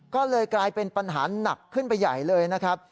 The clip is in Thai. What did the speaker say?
ก็เลยกลายเป็นปัญหาหนักขึ้นไปใหญ่เลยนะครับ